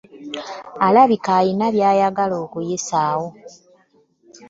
Alabika alina by'ayagala okuyisaawo.